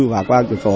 và qua quyền sổ